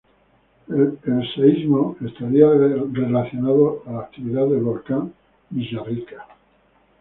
El sismo estaría relacionado a actividad del Volcán Villarrica.